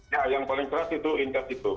ya yang paling keras itu in cash itu